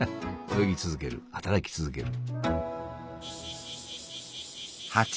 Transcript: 泳ぎ続ける働き続ける。